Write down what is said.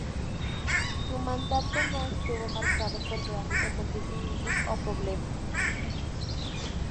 Su mandato no estuvo marcado por grandes acontecimientos o problemas.